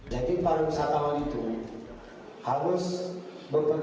jadi minyak atau nyewa itu tidak dibuat